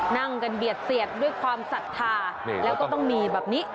นั่งกันเบียดเสียดด้วยความศรัทธาแล้วก็ต้องมีแบบนี้